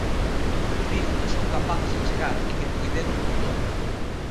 Viron que son capaces de chegar e que puideron con todo.